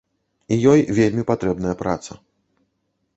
І ёй вельмі патрэбная праца.